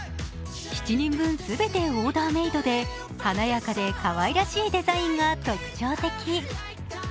７人分全てオーダーメードで華やかでかわいらしいデザインが特徴的。